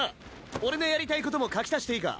俺のやりたいことも書き足していいか？